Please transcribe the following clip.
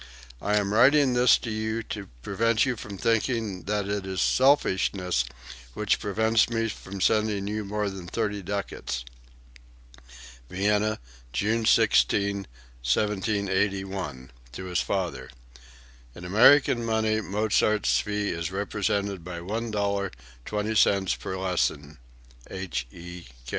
I am writing this to you to prevent you from thinking that it is selfishness which prevents me from sending you more than thirty ducats." (Vienna, June 16, 1781, to his father. [In American money Mozart's fee is represented by $1.20 per lesson. H.E.